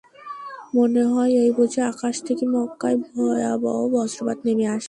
মনে হয়, এই বুঝি আকাশ থেকে মক্কায় ভয়াবহ বজ্রাঘাত নেমে আসবে।